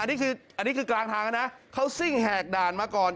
อันนี้คือกลางทางนะเขาซิ่งแหกด่านมาก่อน